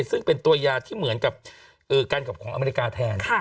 ซึ่งเป็นตัวยาที่เหมือนกับการขับของอเมริกาแทน